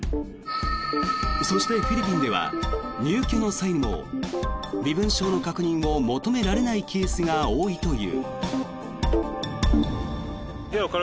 そしてフィリピンでは入居の際も身分証の確認を求められないケースが多いという。